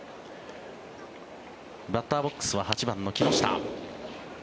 バッターボックスは８番の木下。